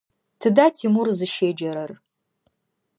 Тыда Тимур зыщеджэрэр?